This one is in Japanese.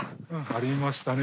ありましたね